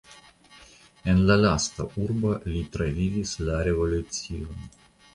En la lasta urbo li travivis la revolucion.